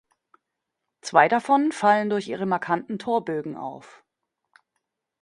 Zwei davon fallen durch ihre markanten Torbögen auf.